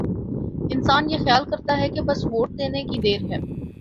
انسان یہ خیال کرتا ہے کہ بس ووٹ دینے کی دیر ہے۔